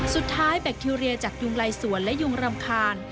แบคทีเรียจากยุงลายสวนและยุงรำคาญ